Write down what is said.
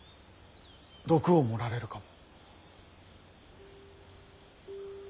毒を盛られるかも。